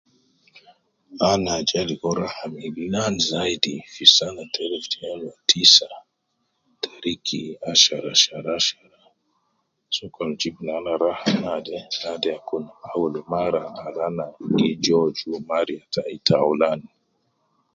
Ana ja ligo raha millan zaidi fi sana ta elf tinin wu tisa tariki ashara shar ashara ,sokol jib nana raha naade, naade kun awel mara al ana gi joju kariya tai taulan